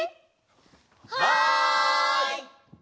はい！